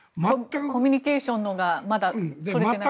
コミュニケーションがまだ取れてなくて。